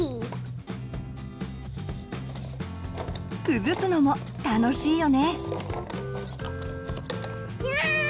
崩すのも楽しいよね。